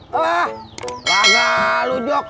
wah kagak lu jok